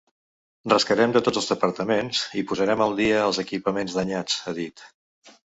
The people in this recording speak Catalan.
Rascarem de tots els departaments i posarem al dia els equipaments danyats, ha dit.